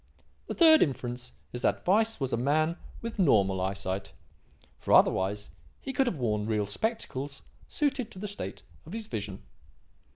The third inference is that Weiss was a man with normal eyesight; for otherwise he could have worn real spectacles suited to the state of his vision.